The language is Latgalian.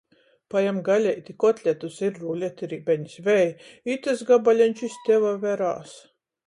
Pajem galeiti! Kotletus! Ir ruleti, ribenis. Vei, itys gabaleņš iz teve verās!